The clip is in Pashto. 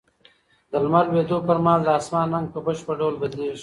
د لمر لوېدو پر مهال د اسمان رنګ په بشپړ ډول بدلېږي.